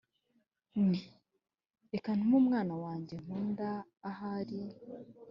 Nti reka ntume umwana wanjye nkunda ahari